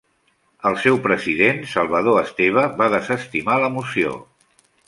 El seu president, Salvador Esteve, va desestimar la moció.